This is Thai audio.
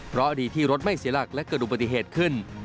เพราะดีที่รถไม่เสียหลักและเกิดอุบัติเหตุขึ้น